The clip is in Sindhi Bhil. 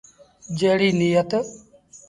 جيڙيٚ نيٿ ۔